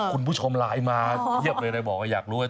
คุณผู้ชมไลน์มาเพียบเลยเลยบอกว่าอยากรู้ว่า